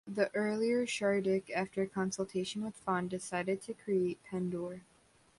The earlier Shardik, after consultation with Fawn, decided to create Pendor.